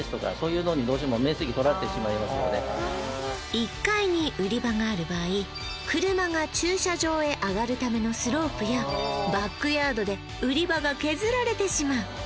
１階に売り場がある場合車が駐車場へ上がるためのスロープやバックヤードで売り場が削られてしまう